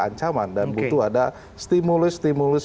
ancaman dan butuh ada stimulus stimulus